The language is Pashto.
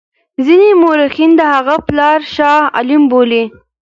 ځیني مورخین د هغه پلار شاه عالم بولي.